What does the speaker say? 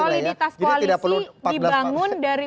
soliditas koalisi dibangun dari